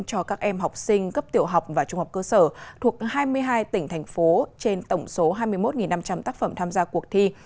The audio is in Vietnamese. cho các em học sinh cấp tiểu học và trung học cơ sở thuộc hai mươi hai tỉnh thành phố trên tổng số hai mươi một năm trăm linh tác phẩm tham gia cuộc thi